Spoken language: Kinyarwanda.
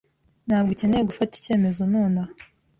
Ntabwo ukeneye gufata icyemezo nonaha